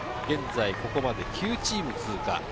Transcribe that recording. ここまで９チーム通過。